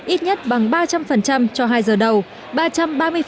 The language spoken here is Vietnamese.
ít nhất bằng ba trăm linh cho hai giờ đầu